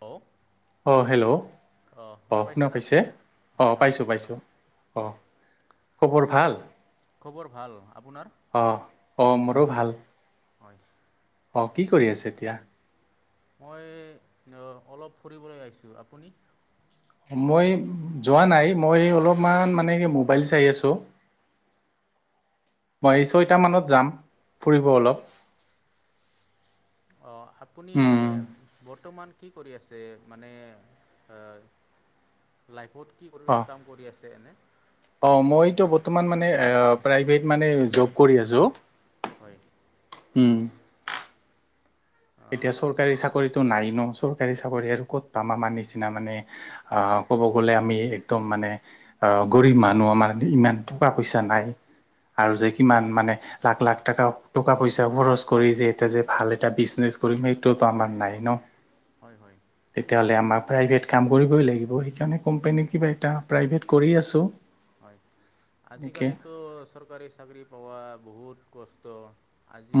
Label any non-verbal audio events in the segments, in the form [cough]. Hello অ hello. অঁ অ শুনা পাইছেনা পাইছে? অ হয় হয় পাইছো শুনা পাইছো, অ খবৰ ভাল? খবৰ ভাল, আপোনাৰ? অঁ মোৰো ভাল। হয় অ কি কৰি আছে এতিয়া মই অলপ ফুৰিবলৈ আহিছো, আপুনি? মই যোৱা নাই মই অলপমান মানে কি মোবাইল চাই আছোঁ [unintelligible] মই এই ছয়ট মানত যাম ফুৰিব অলপ অ আপুনি উম এ বৰ্তমান কি কৰি আছে মানে লাইফত কি কৰিব অ কাম কৰি আছে এনে অ মইতো বৰ্তমান মানে প্ৰ মানে জব কৰি আছো হয় উম। এতিয়া অঁ, চৰকাৰী চাকৰিত নাইি ন চৰকাৰী চাকৰি আৰু ক'ত প আমাৰ নিচিনা মানে ক'ব গ'লে আমি একদম ম মানে অ গৰীব মানুহ আমাৰ ইমান টকা পইচা নাই। হয় আৰু যে হয় হয় কিমান মানে লাখ লাখ টকা টকা পইচা খৰচ কৰি যে এটা যে ভাল এটা বিজনেছ পৰিমটোতো আাৰ নাই ন হয় হয় তেতিয়াহ'লে আমাৰ প্ৰাইভেট কাম কৰিবই লাগিব সেইকাৰণে হয় কোম্পানীয়ে কিবা এটা প্ৰাইভেট কৰি আছো হয় আজিকালিতো চৰকাৰী চাকৰি পোৱা বহুত কষ্ট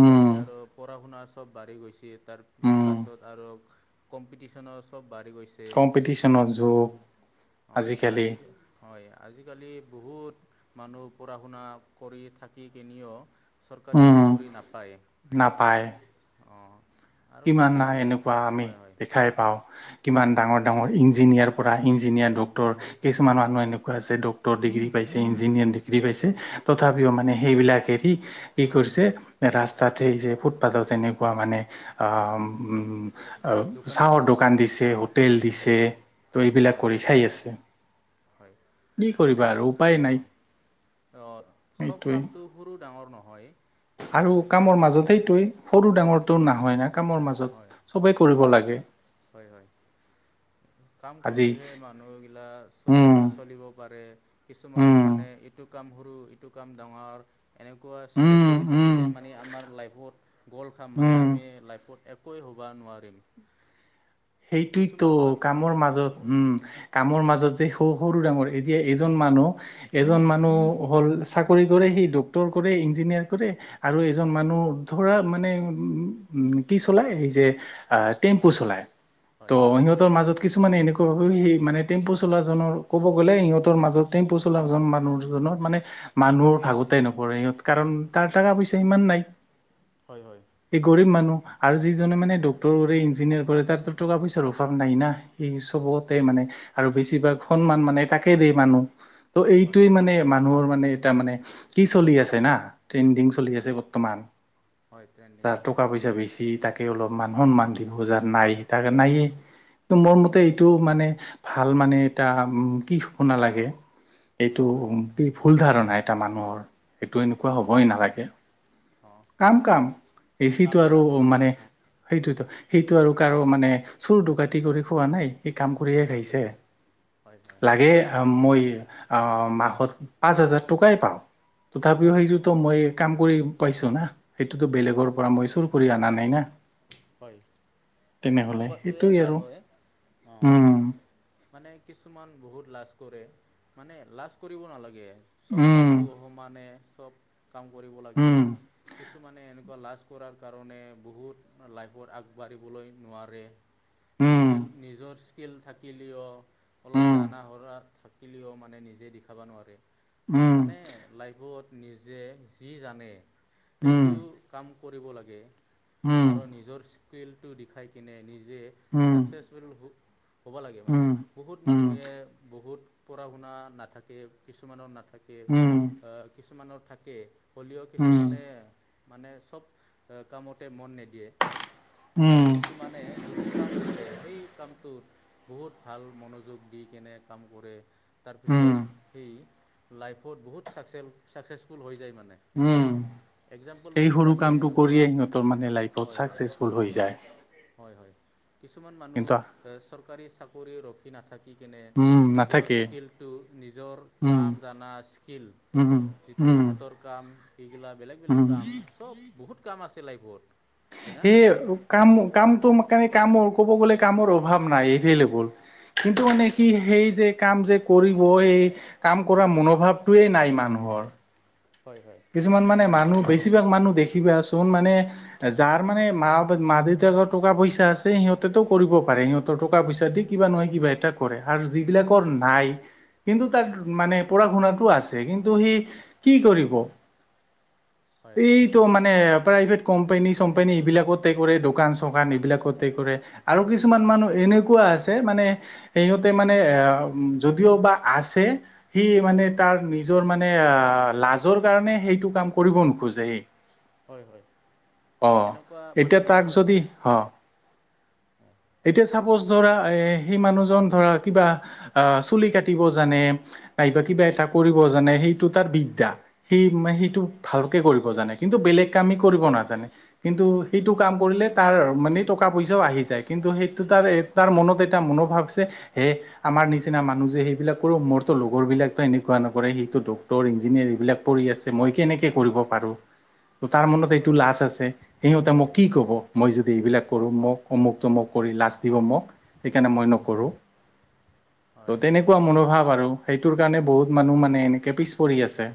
উম আৰু পঢ়া শুনা চব বাঢ়ি গৈছে, তাৰ উম পাছত আৰু কম্পিটিশ্যনৰ চব [unintelligible] কম্পিটিশ্যনৰ যুগ আজিকালি [unintelligible] [unintelligible] সেই বহুত মানুহ পঢ়া শুনা কৰি থাকি কিনিয় চৰকাৰী উম চাকৰি নাপায় অঁ আৰু কিমান নাই কিছুমানে এনেকুৱা আমি হয় হয় দেখাই পাওঁ কিমান অঁ ডাঙৰ ডাঙৰ ইঞ্জিনিয়াৰ পৰা ইঞ্জিনিয়াৰ, ডক্টৰ কিছুমান মানুহ এনেকুৱা আছে ডক্টৰ ডিগ্ৰী পাইছে ইঞ্জিনিয়াৰ ডিগ্ৰী পাইছে তথাপিও মানে সেইবিলাক এৰি কি কৰিছে ৰাস্তাত সেই যে ফুটপাথত এনেকুৱা মানে দোকান চাহৰ দিছে দোকান দিছে হোটেল দিছে ত এইবিলাক হয় কৰি হয় খায় আছে, হয় কি কৰিবা আৰু উপায় নাই। অ চব সেইটোৱে কামটো সৰু ডাঙৰ নহ আৰু কামৰ মাজত সেইটে সৰু ডাঙৰটো নহয় ন কামৰ হয় মাজত চবেই কৰিব লাগে হয় হয়। কাম আজি কৰিলেহে মানুহগিলাক চ উম চলিব পাৰে। কিছুমান উম, মানে ইটোক কাম সৰু ইটো কাম ডাঙৰ এনেকুৱা উম, চিলেক্ট কৰি উম, থাকিলে মানে আমাৰ লাইফত গ'ল খাম মানে উম, আমি লাইফত একোৱেই হ'ব নোৱাৰিম সেইটোয়তো কিছুমান মান কামৰ মাজত উম কামৰ মাজত যে সৰু সৰু ডাঙৰ এতিয়া এজন মানুহ এজন মানুহ হ'ল চাক কৰে সেই ডক্টৰ কৰে ইঞ্জিনিয়াৰ কৰে আৰু এজন মানুহ ধৰা মানে ও ও উম কি চলাই এই যে টেম্পু চলাই ত' হয় সহতৰ মাজত কিছুমানে এনেকুৱা সেই মানে টেম্পু চলাাজনৰ ক'ব গ'লে সিহঁৰ মাজত টেম্পু চলাাজ মানুহ মানে মানুহৰ ভাগোতেই নপৰে সিহঁত কাৰণ তাৰ টকা পইচা ইমান নাই হয় হয় এই গৰীব মানুহ আৰু যিজনে মানে ডক্টৰ কৰে ইঞ্জিনিয়াৰ কৰে তাৰ টকা পইচাৰ অভাৱ নাই না স চবতে মানে আৰু বেছিভাগ সন্মান মানে তাকে দিয় মানুহ ত' হয় এইটোৱে হয় মানে মানুহৰ মানে তাৰ মানে কি চলি আছে না ট্ৰেণ্ডিং চলি আছে বৰ্তমান হয় ট্ৰেণ্ডিং তাৰ চলি টকা আছে পইচা বেছি তাকে অলপমান সন্মান দিব যাৰ নাই তাক নায়ে, ত মোৰ মতে হয় এইটো মানে ভাল মানে এটা উ কি শপনা লাগে, এইটো হয় হয় কি ভুল ধাৰণা এই এটা মানুহৰ সেইটো হয় এনেকুৱা হ'বই নালাগে। অঁ কাম কাম কাম এচিতো আৰু কামে মানে অঁ সেইটোৱেটো সেইটো আৰু কাৰো মানে চুৰ দকাটি কৰি খোৱা নাই। সি কাম কৰিহে হয় হয় খাইছে, হয় হয় লাগে মই অ মাহত পাঁচ হাজাৰ টকাই পাওঁ হয় তথাপিও সেইটোতো মই কাম কৰি পাইছো না সেইটোতো বেলেগৰ পৰা মই চুৰ কৰি অনা নাই না। হয়। তেনেহলে এনেকুৱাটোৱে সেইটোয়ে ভাল আৰু হয় অঁ উম মানে কিছুমান বহুত লাজ কৰে মানে লাজ কৰিব নালাগে চব কামটো উম সমানে চব। কাম কৰিব লাগে উম কিছুমানে এনেকুৱা লাজ কৰাৰ কাৰণে বহুত লাইফত আগবাঢ়িবলৈ নোৱাৰে উম নিজেল নিজছ স্কেল থাকিলেও অলপ উম জানাহৰা থাকিলেও মানে নিজে দিখাব নোৱাৰে। উম মানে লাইফত নিজে যি জানে উম সেইটো কাম কৰিব লাগে উম আৰু নিজৰ স্কিলটো দিখাই কিনে নি যে উম উম উম চাকচেচফুল হ'ব লাগে মানে বহুত উম মানুহে বহুত পঢ়া শুনা নাথাকে কিছুমানৰ নাথাকে আহ কিছুমানৰ থাকে হলিও কিছুমানে মানে চব কামতে মন নিদিয়ে উম আৰু উম কিছুমানে যোন কাম কৰে সেই কামটোত বহুত ভাল মনোযোগ দি কেনে কাম কৰে। তাৰপিছত উম সেই লাইফত বহুত চাকচ চাকচেছফুল হৈ যায় মান উম এই সৰু আছে কামটো এনেকুৱা কৰিয়ে সিহঁতৰ মানে লাইট বত হয় হয় ছাকচেছফুল হৈ যায় হয় হয় কিছুমান মানুহ কিন্তু এ চৰকাৰী চাকৰি ৰখি নাথাক কি কেনে উম নিজৰ নাথাকে স্কিলটো নিজৰ উম কাম জনা স্কিল উম যিটো উম হাতৰ কাম এইগিলা বেলেগ বেলেগ উম কাম চব বহুত কাম আছে লাইফত হয়না সেই কাম কামটো ম ণ কামৰ ক'ব গ'লে কামৰ অভাৱ নাই এভলেবল কিন্তু মানে হয় কি সেই যে কাম যে কৰিব এই কাম কৰা মনোভাৱটোৱেই নাই মানুহৰ। হয় হয় কিছুমান মানে মা মানুহ বেছিভাগ মানুহ দেখিবাচোন মানে যাৰ মানে মা মা দেউতাকৰ টকা পইচা আছ সিহঁতেটো কৰিব পাৰে সিহঁতৰ টকা পইচা দি কিবা হয় নহয় কিবা এটা কৰে আৰু যিবিলাকৰ নাই, কিন্তু তাৰ মানে পঢ়া শুনাটো আছে কিন্তু সি কি কৰিব? হয় এইটো মানে প্ৰাইভেট কোম্পানী চোম্পানী এইবিলাকতে কৰে দোকান চোকান এইবিলাকতে কৰে আৰু কিছুমান মানুহ তেনেকুৱা আছে মানে সিহঁতে মানে এ যদিও বা আছে। সি মানে হয় তাৰ নিজৰ মানে আহ লাজৰ কাৰণে সেইটো কাম কৰিব নোখোজে এই হয় হয় এনেকুৱা মানুহ এতিয়া তাক বহুত যদি আছে। অ' এতিয়া ম কা কিবা এটা কৰিব জানে সেইটো তাৰ বিদ্যা, সেই মানে সেইটো ভালকে কৰিব জানে কিন্তু বেলেগ কামেই কৰিব নাজানে কিন্তু সেইটো কাম কৰিলে তাৰ মানে টকা পইচাও আহি যায় কিন্তু সেইটো তাৰ তাৰ মনত এটা মনোভাৱ যে সেই, আমাৰ নিচিনা মানুহ যে সেইবিলাক কৰো মোৰতো লগৰবিলাকতো এনেকুৱা নকৰে সেইটো ডক্তৰ ইঞ্জিনিয়াৰ এইবিলাক। পৰি আছে মই কেনেকে কৰিব পাৰো ত তাৰ মনত এইটো হয় লাজ আছে। সিহঁতে মোক কি ক'ব মই যদি এইবিলাক কৰোঁ মোক অমুক তমুক কৰি লাজ দিব মোক সেইকাৰণে মই কৰো, হয় ত তেনেকুৱা মনোভাৱ আৰু সেইটোৰ কাৰণে বহুত মানুহ মানে এনেকে পিছ পৰি আছে।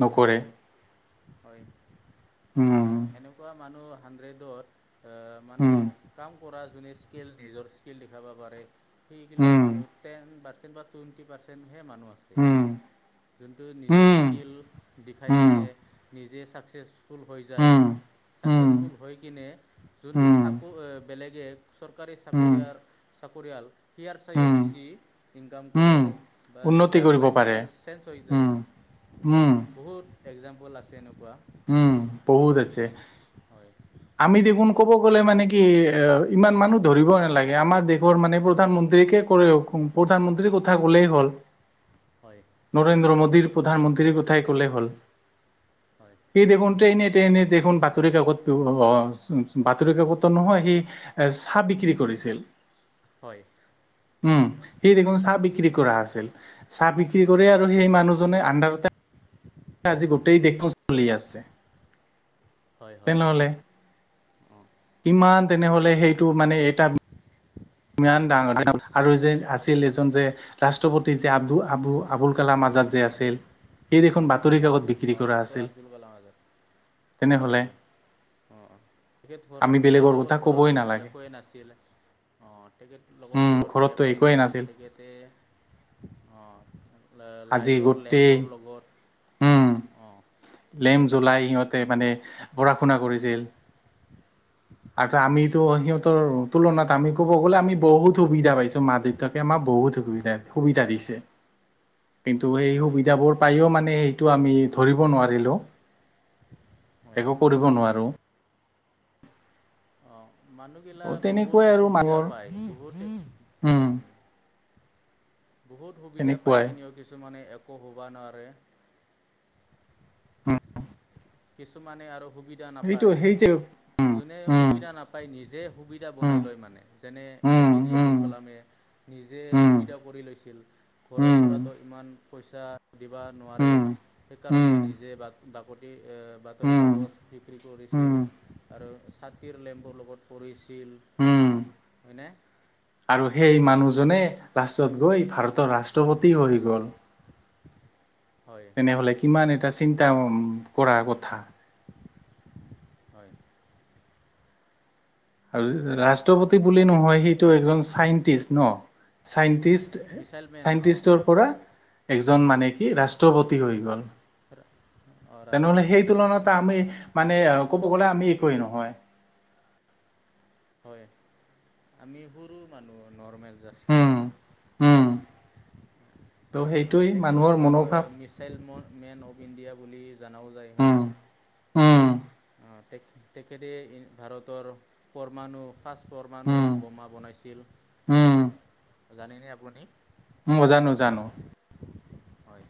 হয় নকৰে। হয় অ'হ, উম এনেকুৱা মানুহ হাড্ৰেডত মানে উম কাম কৰা স্কেল নিজৰ স্কিল দেখাব পাৰে সেইগিলা উম মানুহ টেন পাৰ্চেণ্ট বা টুৱেণ্টি পাৰ্চেণ্ট ধেৰ মানুহ আছে। উম যোনটো নিজৰ উম স্কিল। দিখাই উম কিনে নিজে চাকচেছ ফুল হৈ যায়, উম উম ছাকচেছফুল হৈ কিনে যোনটো উম চাকো বেলেগে চৰকাৰী উম চাকৰিয়াৰ, চাকৰিয়াল হিয়াৰ চাইো উম বেছি ইনকাম কৰে উম বা তাৰ লাইফষ্টাইল চেঞ্জ হৈ যায় উ বহুত একজাম্পল আছে এনেকুৱা। উ'ম বহুত আছে। হয় আমি দেখোন ক'ব গ'লে মানে কি অ' ইমান মানুহ ধৰিব নালাগে। আমাৰ দেশৰ মানে প্ৰধান প্ৰধানমন্ত্ৰী কে কৰে প্ৰধানমন্ত্ৰীৰ কথা কলেই হ'ল হয় নৰেন্দ্ৰ মোদীৰ প্ৰধানমন্ত্ৰীৰ কথাই কলে হ'ল। হয় সেই দেখোন ্ৰেইন এনে দেখোন, বাতৰি কাকত অ', বাতৰি কাকতো নহয় সি এ চাহ বিক্ৰী কৰি লৈছিল। হয়। উ'ম, সি দেখোন চাহ বিক্ৰী কৰা আছিল। চাহ বিক্ৰী কৰি আৰু সেই মানুহজনে আণ্ডাৰতে আজি গোটেই দেশখন চলি আছে, হয় হয় তেনেহলে। অঁ কিমান? হয় তেনেহলে সেইটো মানে এটা ইমান ডাঙৰা আৰু যে আছিল। এজন যে ৰাষ্ট্ৰপতি যে আব আব- আবুল কালাম। যাক আছিল। সি দেখোন বাতৰি কাকত অ', বিক্ৰী অ' কৰা ডক্টৰ আছিল আব্দুল কলাম আজাদ। তেনেহ'লে। অ', তেখেত আমি ঘৰত বেলেগৰ তেখেত কথা লগৰ কবই ঘৰতটো নালাগে একোৱেই নাছিল? তেখেত লোকৰ ঘৰতো একোৱেই নাছিল। তেখেতে অ'। আজি লাইটৰ গোটেই লেম্পৰ লগত উ'ম। অঁ লেম জ্বলাই সিহঁতে মানে পঢ়া শুনা কৰিছিল। আৰু আমিতিতো হয় সিহঁতৰ তুলনাত আমি ক'ব গ'লে, আমি বহুত সুবিধা পাইছো মা- দেউতাকে আমাক বহুত সুবিধা- সুবিধা দিছে। কিন্তু সেই হয় সুবিধাবোৰ পায়ও মানে সেইটো আমি ধৰিব নোৱাৰিলো। হয় একো কৰিব নোৱাৰো। অঁ মানুহগিলা অ বহুত তেনেকুৱাই আৰু সুবিধা মানুহৰ পায়। বহুতে উম বহুত সুবিধা পাই তেনেকুৱাই কিনেিও কিছুমানে একো হ'বা নোৱাৰে উম কিছুমানে আৰু সুবিধা সেইটো নাপায়। সেই যে যোনে উম সুবিধা নাপায়, নিজে সুবিধা উম বনাই লয় মানে। যেনে A, um P, J Abdul um কালামে নিজে উম সুবিধা কৰি লৈছিল। ঘৰৰ উম পৰাতো ইমান পইচা দিবা নোৱাৰে। উম সেইকাৰণে উম উম নিজে বাক বাকতি বাতৰি কাগজ বিক্ৰী কৰিছিল উম আৰু ছাতিৰ লেম্পৰ লগত পৰিছিল উম হয়নে? আৰু সেই মানুহজনে লাষ্টত গৈ ভাৰতৰ ৰাষ্ট্ৰপতি হৈ গ'ল। হয় তেনেহলে কিমান এ এটা চিন্তা কৰাৰ কথা। হয় আৰু ৰাষ্ট্ৰপতি বুলি নহয়, সেইটো এজন চাইন্টিষ্ট ন চাইন। তিচ মিছাইল মেন অঁ চাইন্টিষ্টৰ পৰা এজন মানে কি ৰাষ্ট্ৰপতি হৈ গ'ল। অঁ তেনেহ'লে ৰাষ্ট্ৰপতি সেই হৈছে তুলনাত আমি মানে। ক'ব গ'লে আমি একোৱেই নহয়। হয় আমি সৰু মানুহ নৰ্মেল। জাছ, উম, উম। ত' অ', সেইটোৱেই মানুহৰ তেখেতলোক আৰু মনোভাৱ। মিচাইল মেন অফ ইণ্ডিয়া বুলি জনাওঁ যায় হয় উম, না। উম তে তেখেতে ভাৰতৰ পৰমাণু ফাচ পৰমাণু বোমা বনাইছিল। উম জানেনে আপুনি উম জানো জানো। হয়।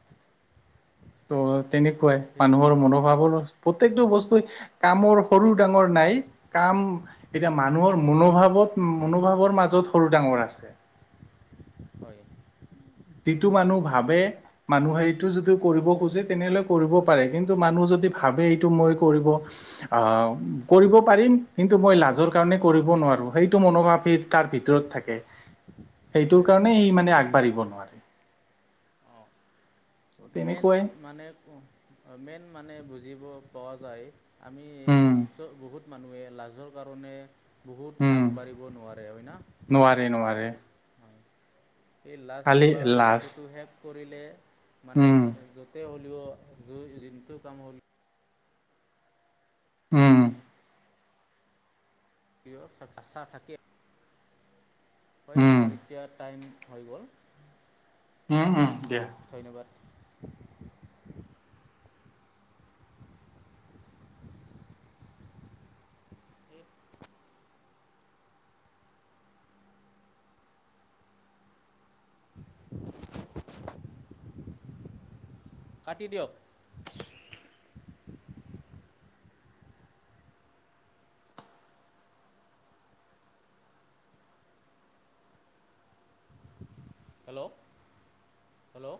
ত' তেনেকুৱাই সেই মানুহৰ মনোভাৱৰো। প্ৰত্যেকটো বস্তু কামৰ সৰু ডাঙৰ নাই কাম এতিয়া মানুহৰ মনোভাব। মনোভাৱৰ মাজত সৰু ডাঙৰ আছে। হয় যিটো মানুহ ভাবে মানুহে সেইটো যদি কৰিব খোজে তেনেহ'লে কৰিব পাৰে কিন্তু মানুহ, আকৌ যদি ভাবে এইটো মই কৰিব আ কৰিব পাৰিম কিন্তু মই লাজৰ কাৰনে, নোৱাৰো সেইটো মনোভাব তাৰ ভিতৰত থাকে। সেইটোৰ হয় হয় কাৰণে সি মানে আগবাঢ়িব নোৱাৰে। অঁ মেইন তেনেকুৱাই মানে, মেইন মানে বুজিব পোৱা যায়। আমি উম চব, বহুত মানুহে লাজৰ কাৰণে বহুত উম আগবাঢ়িব নোৱাৰে হয় না? নোৱাৰে নোৱাৰে হয়। এই লাজ খালি বোলা লাজ বস্তুটো শেষ কৰিলে। মানে উম য'তে হ'লেও যোনটো কাম হ'লেও উ'ম। চা থাকে হয়। উম আমাৰ এতিয়া টাইম হয় গ'ল। উম, উম, দিয়া। ধন্যবাদ [inaudible] [inaudible] কাটি দিয়ক। Hello, hello.